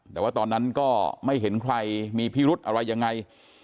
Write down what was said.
แต่ว่าตอนนั้นก็ไม่เห็นใครมีพิรุธอะไรยังไง